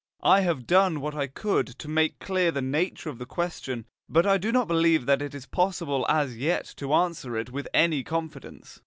I have done what I could to make clear the nature of the question, but I do not believe that it is possible as yet to answer it with any confidence.